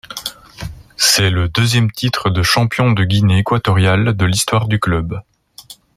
C'est le deuxième titre de champion de Guinée équatoriale de l'histoire du club.